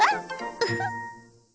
ウフッ。